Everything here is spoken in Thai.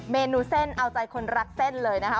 เมนูเส้นเอาใจคนรักเส้นเลยนะคะ